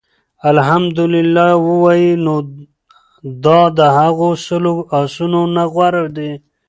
اَلْحَمْدُ لِلَّه ووايي، نو دا د هغو سلو آسونو نه غوره دي